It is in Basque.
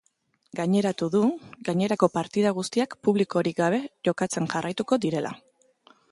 Gaineratu du, gainerako partida guztiak publikorik gabe jokatzen jarraituko direla.